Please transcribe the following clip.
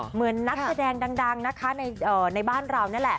เหมือนนักแสดงดังนะคะในบ้านเรานั่นแหละ